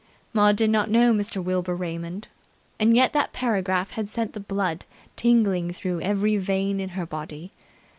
Maud did not know Mr. Wilbur Raymond, and yet that paragraph had sent the blood tingling through every vein in her body.